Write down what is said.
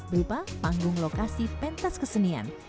berupa panggung lokasi pentas kesenian